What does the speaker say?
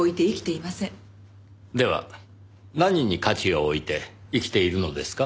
では何に価値を置いて生きているのですか？